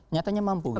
nyatanya mampu gitu